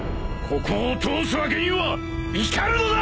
ここを通すわけにはいかぬのだ！